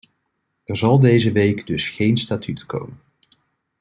Er zal deze week dus geen statuut komen.